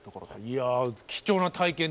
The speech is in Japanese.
いや貴重な体験でした。